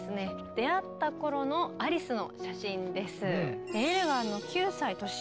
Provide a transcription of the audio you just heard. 出会った頃のアリスの写真です。